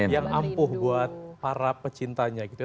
yang ampuh buat para pecintanya gitu ya